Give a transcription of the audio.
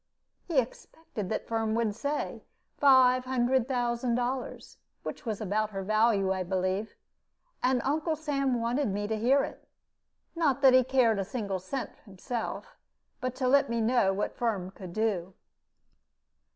He expected that Firm would say, "Five hundred thousand dollars" which was about her value, I believe and Uncle Sam wanted me to hear it; not that he cared a single cent himself, but to let me know what Firm could do.